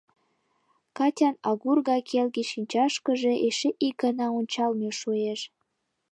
Катян агур гай келге шинчашкыже эше ик гана ончалме шуэш.